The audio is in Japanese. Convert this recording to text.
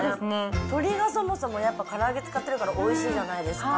鶏がそもそもやっぱりから揚げ使ってるからおいしいじゃないですか。